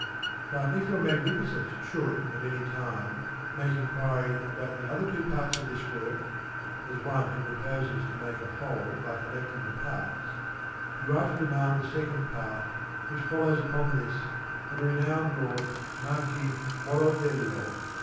But if Your Magnificence should at any time make enquiry about the other two parts of this work (as one who proposes to make a whole by collecting the parts), you are to demand the second part, which follows upon this, of the renowned lord Marquis Moroello.